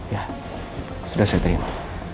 ya sudah saya terima